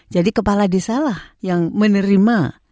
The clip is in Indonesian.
jadi kepala desa lah yang menerima